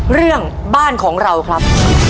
เรื่องบ้านของเราครับ